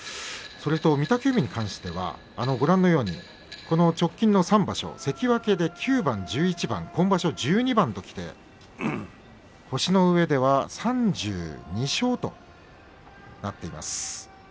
それと御嶽海に対しては直近の３場所関脇で９番、１１番今場所１２番ときて星のうえでは３２勝となっています。